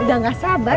udah gak sabar